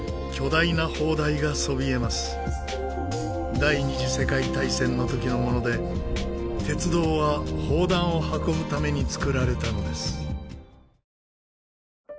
第二次世界大戦の時のもので鉄道は砲弾を運ぶためにつくられたのです。